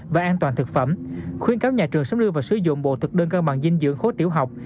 và an toàn thực phẩm khuyên cáo nhà trường sống lưu và sử dụng bộ thực đơn cân bằng dinh dưỡng khố tiểu học